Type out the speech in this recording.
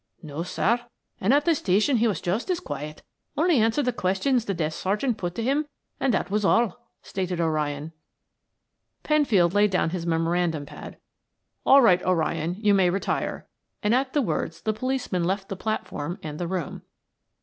"No, sir; and at the station he was just as quiet, only answered the questions the desk sergeant put to him, and that was all," stated 0' Ryan. Penfield laid down his memorandum pad. "All right, O'Ryan; you may retire," and at the words the policeman left the platform and the room.